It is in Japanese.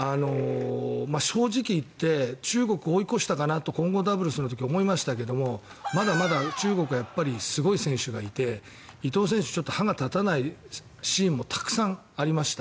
正直言って中国追い越したかなと混合ダブルスの時思いましたけどまだまだ中国はやっぱりすごい選手がいて伊藤選手は歯が立たないシーンもたくさんありました。